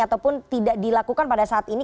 ataupun tidak dilakukan pada saat ini